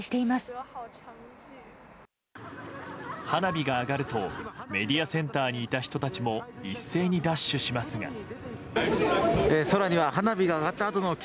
花火が上がるとメディアセンターにいた人たちも一斉にダッシュしますが。